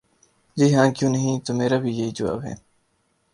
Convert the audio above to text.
''جی ہاں، کیوں نہیں‘‘ ''تو میرا بھی یہی جواب ہے۔